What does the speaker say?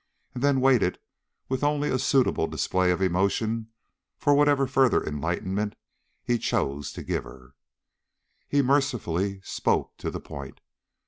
and then waited with only a suitable display of emotion for whatever further enlightenment he chose to give her. He mercifully spoke to the point.